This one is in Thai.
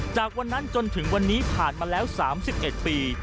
จากวันนั้นจนถึงวันนี้ผ่านมาแล้ว๓๑ปี